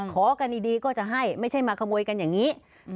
ขอกันดีก็จะให้ไม่ใช่มาขโมยกันอย่างนี้